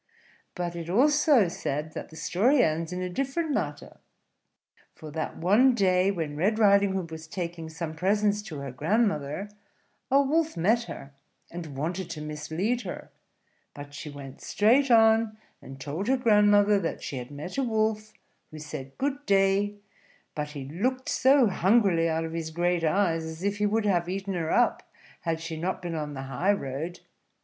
But it is also said that the story ends in a different manner; for that one day, when Red Riding Hood was taking some presents to her grandmother, a Wolf met her, and wanted to mislead her; but she went straight on, and told her grandmother that she had met a Wolf, who said good day; but he looked so hungrily out of his great eyes, as if he would have eaten her up had she not been on the high road.